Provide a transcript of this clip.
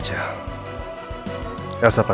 jawab kalo di cerita